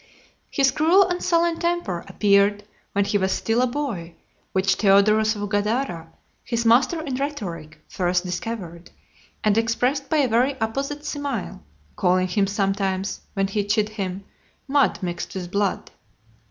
(227) LVII. His cruel and sullen temper appeared when he was still a boy; which Theodorus of Gadara , his master in rhetoric, first discovered, and expressed by a very apposite simile, calling him sometimes, when he chid him, "Mud mixed with blood."